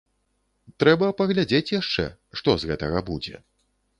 Трэба паглядзець яшчэ, што з гэтага будзе.